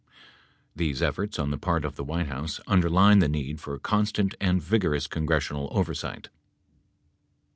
These efforts on the part of the White House underline the need for constant and vigorous con gressional oversight.